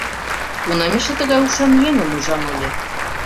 Кунам эше тыгай ушан еҥым ужам ыле?..